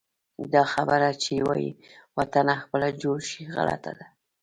دا خبره چې وایي: وطنه خپله جوړ شي، غلطه ده.